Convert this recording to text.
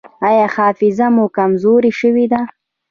ایا حافظه مو کمزورې شوې ده؟